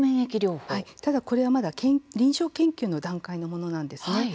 ただ、これはまだ臨床研究の段階のものなんですね。